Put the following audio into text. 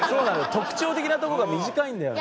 特徴的なとこが短いんだよね。